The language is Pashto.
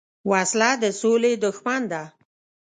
وسله د سولې دښمن ده